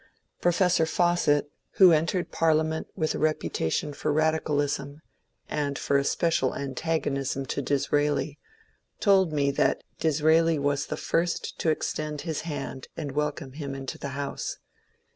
Professor Fawcett, who 78 MONCURE DANIEL OONWAT entered Parliament with a reputation for radicalism, and for especial antagonism to Disraeli, told me that Disraeli was the first to extend his hand and welcome him into the House.